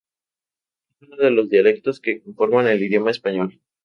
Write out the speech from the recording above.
Es uno de los dialectos que conforman el idioma español.